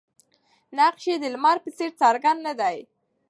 نقش یې د لمر په څېر څرګند نه دی.